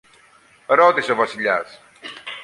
ρώτησε ο Βασιλιάς.